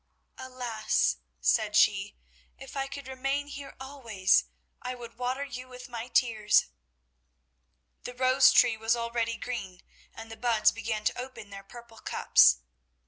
"Alas," said she, "if I could remain here always, I would water you with my tears!" The rose tree was already green, and the buds began to open their purple cups.